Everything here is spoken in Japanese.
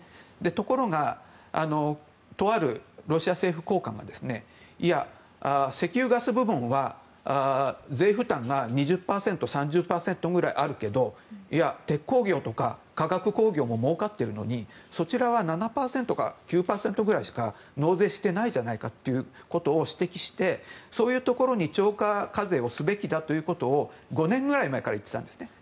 ところがとあるロシア政府高官がいや、石油ガス部門は税負担が２０％、３０％ぐらいあるけど鉄鋼業とか化学工業ももうかっているのにそちらは７％か９％くらいしか納税していないじゃないかと指摘してそういうところに超過課税をすべきだということを５年ぐらい前から言っていたんですね。